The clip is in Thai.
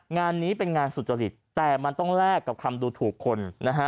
งานนี้เป็นงานสุจริตแต่มันต้องแลกกับคำดูถูกคนนะฮะ